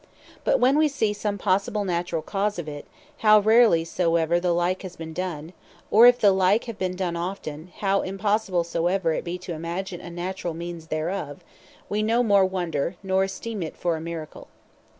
But when wee see some possible, naturall cause of it, how rarely soever the like has been done; or if the like have been often done, how impossible soever it be to imagine a naturall means thereof, we no more wonder, nor esteem it for a Miracle.